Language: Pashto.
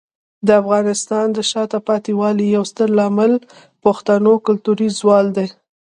د افغانستان د شاته پاتې والي یو ستر عامل پښتنو کلتوري زوال دی.